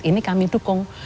ini kami dukung